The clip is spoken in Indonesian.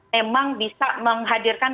memang bisa menghadirkan